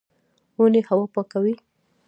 ونې هوا پاکوي